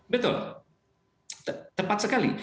betul tepat sekali